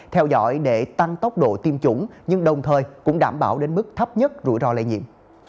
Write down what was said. theo dõi để tăng tốc độ tiêm chủng nhưng đồng thời cũng đảm bảo đến mức thấp nhất rủi ro lây nhiễm